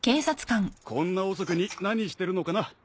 こんな遅くに何してるのかな？